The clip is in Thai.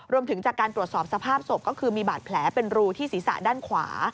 รวมถึงจากการตรวจสอบสภาพศพก็คือมีบาดแผลเป็นรูที่ศีรษะด้านขวา